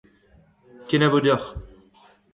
Kenavo deoc'h.